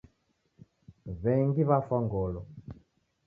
W'engi w'afwa ngolo.